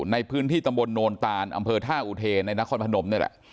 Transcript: ในพื้นที่ตำบลโนนตานอำเภอท่าอุเทในนครพนมนี่แหละ